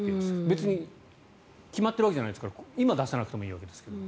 別に決まってるわけじゃないですから今出さなくてもいいわけですが。